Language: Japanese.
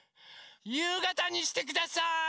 ゆうがたにしてください！